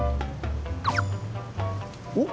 おっ！